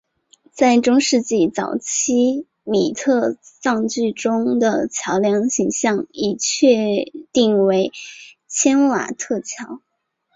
在中世纪早期粟特葬具中的桥梁形象已确定为钦瓦特桥。